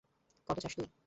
কত চাস তুই?